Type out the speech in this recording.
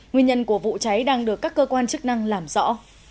nguyên nhân của vụ cháy đang được các cơ quan chức năng làm rõ